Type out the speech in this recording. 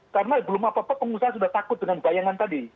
karena belum apa apa pengusaha sudah takut dengan bayangan tadi